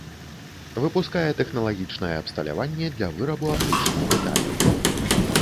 Выпускае тэхналагічнае абсталяванне для вырабу аптычных дэталяў.